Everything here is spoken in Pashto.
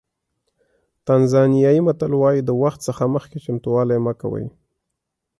تانزانیایي متل وایي د وخت څخه مخکې چمتووالی مه کوئ.